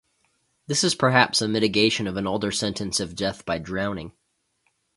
This is perhaps a mitigation of an older sentence of death by drowning.